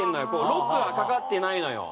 ロックがかかってないのよ。